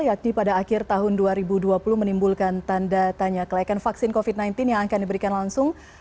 yakni pada akhir tahun dua ribu dua puluh menimbulkan tanda tanya kelaikan vaksin covid sembilan belas yang akan diberikan langsung